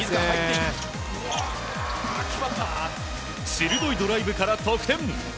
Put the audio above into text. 鋭いドライブから得点。